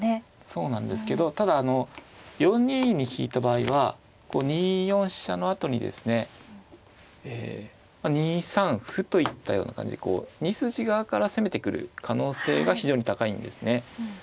そうなんですけどただ４二に引いた場合は２四飛車のあとにですね２三歩といったような感じで２筋側から攻めてくる可能性が非常に高いんですね。